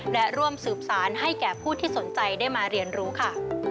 และร่วมสืบสารให้แก่ผู้ที่สนใจได้มาเรียนรู้ค่ะ